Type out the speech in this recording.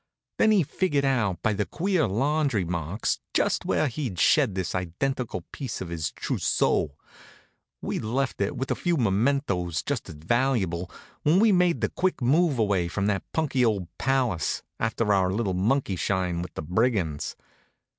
Then he figured out by the queer laundry marks just where he'd shed this identical piece of his trousseau. We'd left it, with a few momentoes just as valuable, when we made that quick move away from that punky old palace after our little monkey shine with the brigands.